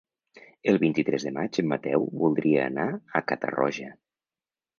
El vint-i-tres de maig en Mateu voldria anar a Catarroja.